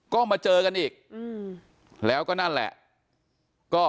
ก็มาเจอกันอีกแล้วก็นั่นแหละ